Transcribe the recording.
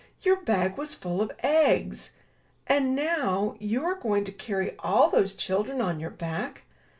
Your bag was full of eggs! And, now, you are going to carry all those children on your back?